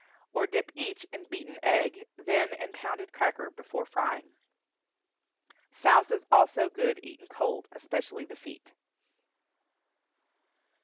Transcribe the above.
Or dip each in beaten egg, then in pounded cracker, before frying. Souse is also good eaten cold, especially the feet.